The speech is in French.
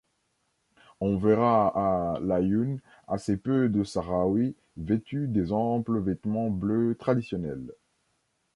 On verra à Laâyoune assez peu de Sahraouis vêtus des amples vêtements bleus traditionnels.